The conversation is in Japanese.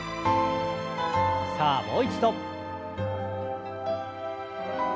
さあもう一度。